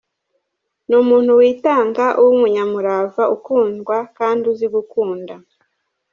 Ni umuntu witanga, w’umunyamurava, ukundwa kandi uzi gukunda.